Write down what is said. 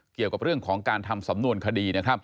เกี่ยวกับเรื่องของการทำสำนวนคดีนะครับ